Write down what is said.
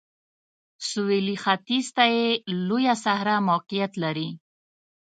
سویلي ختیځ ته یې لویه صحرا موقعیت لري.